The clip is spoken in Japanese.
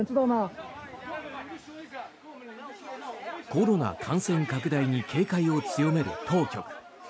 コロナ感染拡大に警戒を強める当局。